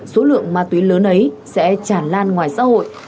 số lượng ma túy lớn ấy sẽ chản lan ngoài xã hội